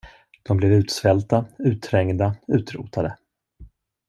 De blev utsvälta, utträngda, utrotade.